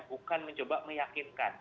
bukan mencoba meyakinkan